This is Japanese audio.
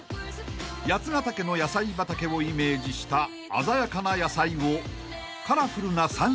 ［八ヶ岳の野菜畑をイメージした鮮やかな野菜をカラフルな３種類のソースで］